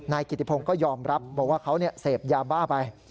กิติพงศ์ก็ยอมรับบอกว่าเขาเสพยาบ้าไป